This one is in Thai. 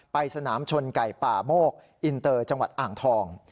ไปสนามชนไก่ป่าโมกอินเตอร์จังหวัดอ่างทอง